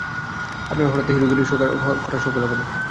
আপনার হঠাত হিরোগিরী করার শখ হল কেন?